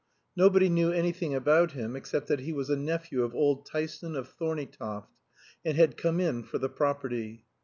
Nobody knew anything about him, except that he was a nephew of old Tyson of Thorneytoft, and had come in for the property.